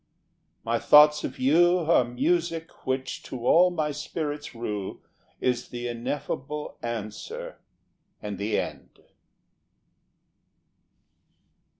My thoughts of you Are music which to all my spirit's rue Is the ineffable answer and the end.